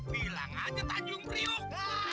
bilang aja tajung periuk